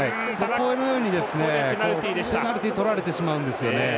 このように、ペナルティとられてしまうんですよね。